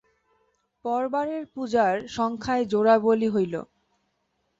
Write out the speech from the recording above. পরবারের পূজার সংখ্যায় জোড়া বলি হইল।